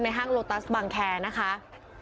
ห้างโลตัสบางแคร์นะคะ